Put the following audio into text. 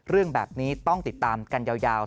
เรื่องแบบนี้ต้องติดตามกันยาว